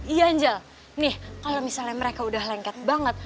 iya angel nih kalau misalnya mereka udah lengket banget